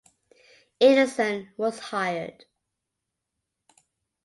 Anderson, was hired.